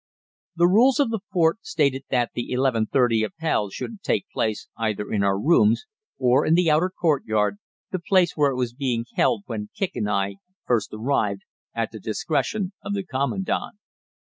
The rules of the fort stated that the 11.30 Appell should take place either in our rooms or in the outer courtyard, the place where it was being held when Kicq and I first arrived, at the discretion of the Commandant.